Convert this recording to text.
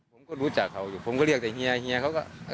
ผมก็รู้จักเขาอยู่ผมก็เรียกแต่เฮียเฮียเขาก็